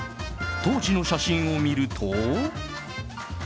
当時の写真を見ると。